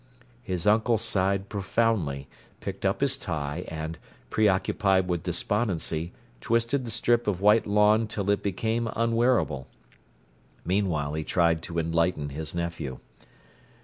His uncle sighed profoundly, picked up his tie and, preoccupied with despondency, twisted the strip of white lawn till it became unwearable. Meanwhile, he tried to enlighten his nephew.